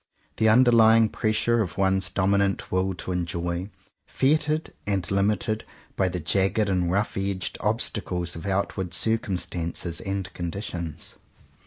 The under lying pressure of one's dominant will to enjoy, fettered and limited by the jagged and rough edged obstacles of outward cir cumstances and conditions.